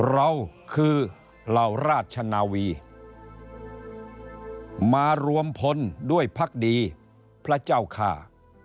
เราคือเหล่าราชนาวีมารวมพลด้วยพักดีพระเจ้าข้า